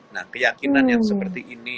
nah keyakinan yang seperti ini